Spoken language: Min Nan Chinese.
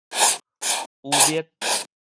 汙蔑